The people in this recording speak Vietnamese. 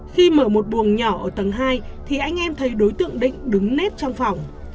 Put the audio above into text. khi mở một buồng nhỏ ở tầng hai thì anh em thấy đối tượng định đứng nếp trong phòng